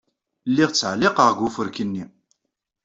Lliɣ ttɛelliqeɣ deg ufurk-nni.